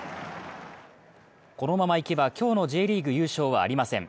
このままいけば今日のＪリーグ優勝はありません。